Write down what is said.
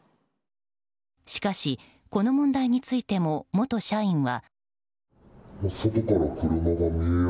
しかし、この問題についても元社員は。